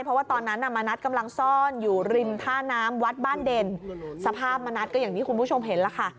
เพราะว่าตอนนั้นน่ะมณัฐกำลังซ่อนอยู่ริมท่าน้ำวัดบ้านเด่นสภาพมณัฐก็อย่างที่คุณผู้ชมเห็นแล้วค่ะ